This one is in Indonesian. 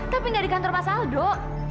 tapi gak di kantor mas aldo